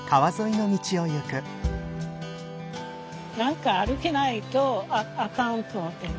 何か歩けないとあかんと思ってるの。